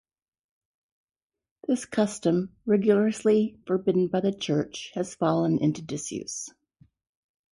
This custom, rigorously forbidden by the Church, has fallen into disuse.